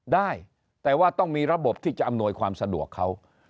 ได้แต่ว่าต้องมีระบบที่จะอำนวยความสะดวกเขา